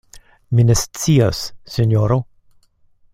Mi ne scias, sinjoro.